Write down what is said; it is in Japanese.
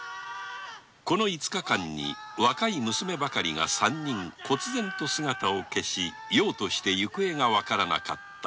この五日間に若い娘ばかりが三人忽然と姿を消しようとして行方がわからなかった